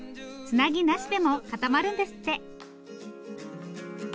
つなぎなしでも固まるんですって！